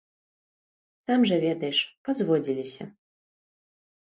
Сам жа ведаеш, пазводзіліся.